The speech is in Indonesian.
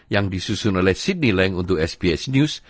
yang disusun oleh sydney leng untuk sbs news